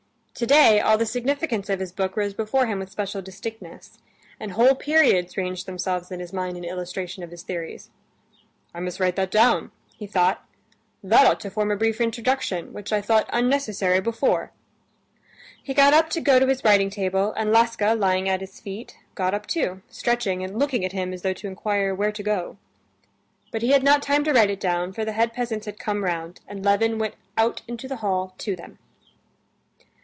Today all the significance of his book rose before him with special distinctness, and whole periods ranged themselves in his mind in illustration of his theories. "I must write that down," he thought. "That ought to form a brief introduction, which I thought unnecessary before." He got up to go to his writing table, and Laska, lying at his feet, got up too, stretching and looking at him as though to inquire where to go. But he had not time to write it down, for the head peasants had come round, and Levin went out into the hall to them.